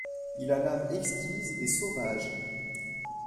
Il a l'âme exquise et sauvage.